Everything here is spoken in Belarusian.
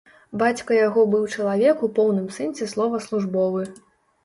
Бацька яго быў чалавек у поўным сэнсе слова службовы.